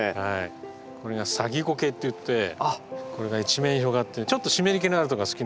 これが「サギゴケ」っていってこれが一面に広がってちょっと湿り気のあるとこが好きなね